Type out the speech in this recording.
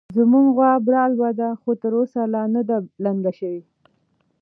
زموږ غوا برالبه ده، خو تر اوسه لا نه ده لنګه شوې